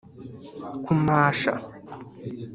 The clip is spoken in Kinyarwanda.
kumasha